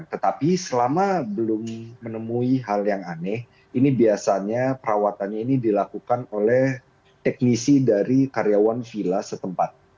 tetapi selama belum menemui hal yang aneh ini biasanya perawatannya ini dilakukan oleh teknisi dari karyawan villa setempat